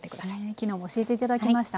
昨日も教えていただきました。